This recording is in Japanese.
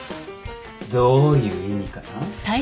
どういう意味かな？